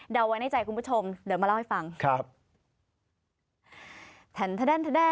เอาไว้ในใจคุณผู้ชมเดี๋ยวมาเล่าให้ฟังครับ